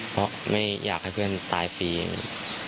เพราะไม่อยากให้เพื่อนตายฟรีอย่างนี้